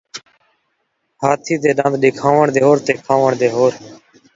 من٘جھ کوں آپݨی کالوݨ نئیں نظردی